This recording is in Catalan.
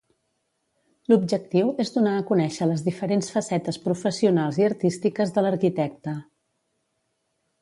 L'objectiu és donar a conèixer les diferents facetes professionals i artístiques de l'arquitecte.